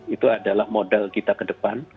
itu adalah modal kita ke depan